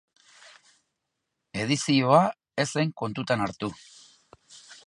Edizioa ez zen kontuan hartu.